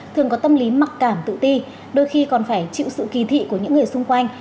thường có tâm lý mặc cảm tự ti đôi khi còn phải chịu sự kỳ thị của những người xung quanh